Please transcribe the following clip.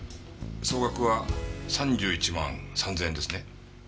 総額は３１万３０００円ですね。